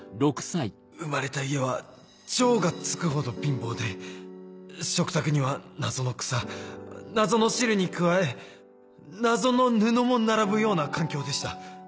生まれた家は「超」がつくほど貧乏で食卓には謎の草謎の汁に加え謎の布も並ぶような環境でした